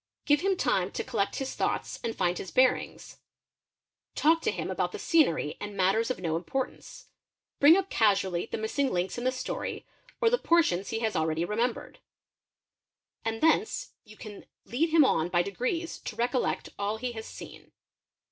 Give him time to collect his thoughts d find his bearings; talk to him about the scenery and matters of no nportance ; bring up casually the missing links in the story, or the mrtions he has already remembered; and thence you can lead him on by ep 'ees to recollect all he has seen.